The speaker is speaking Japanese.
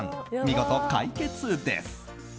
見事、解決です！